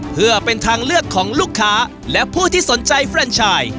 เพื่อเป็นทางเลือกของลูกค้าและผู้ที่สนใจแฟนชาย